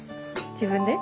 自分で？